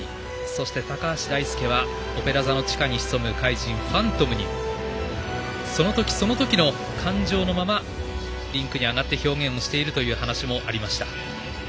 そして、高橋大輔はオペラ座の地下に潜む怪人ファントムにその時、その時の感情のままリンクに上がって表現しているという話もありました。